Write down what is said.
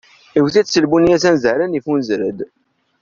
Iwwet-it s lbunya s anzaren iffunzer-d.